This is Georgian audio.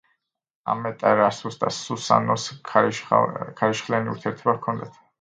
ამატერასუს და სუსანოოს ქარიშხლიანი ურთიერთობა ჰქონდათ.